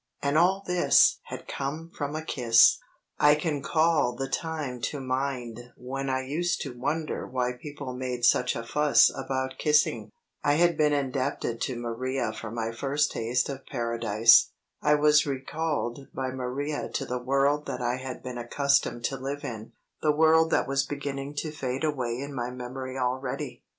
And all this had come from a kiss! I can call the time to mind when I used to wonder why people made such a fuss about kissing. I had been indebted to Maria for my first taste of Paradise. I was recalled by Maria to the world that I had been accustomed to live in; the world that was beginning to fade away in my memory already.